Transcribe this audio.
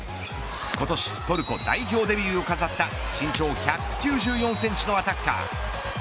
今年トルコ代表デビューを飾った身長１９４センチのアタッカー。